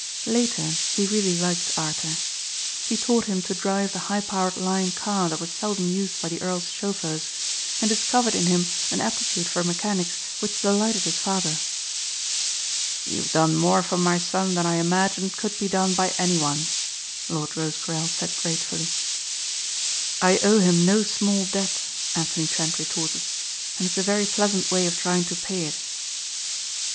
Later he really liked Arthur. He taught him to drive the high powered Lion car that was seldom used by the earl's chauffeurs and discovered in him an aptitude for mechanics which delighted his father. "You have done more for my son than I imagined could be done by anyone," Lord Rosecarrel said gratefully. "I owe him no small debt," Anthony Trent retorted, "and it's a very pleasant way of trying to pay it."